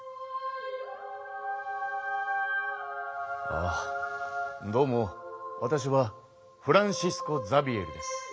ああどうもわたしはフランシスコ・ザビエルです。